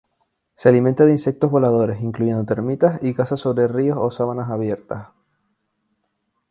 Se alimenta de insectos voladores, incluyendo termitas, y caza sobre ríos o sabanas abiertas.